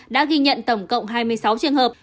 đã ghi nhận tổng cộng hai mươi sáu trường hợp